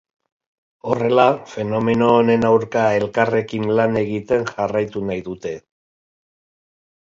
Horrela, fenomeno honen aurka elkarrekin lan egiten jarraitu nahi dute.